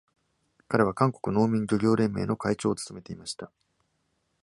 彼は韓国農民漁業連盟の会長を務めていました。